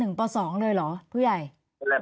เดี๋ยวพักสักครู่ช่วงหน้าเดี๋ยวคุยกับสายต่อไปค่ะ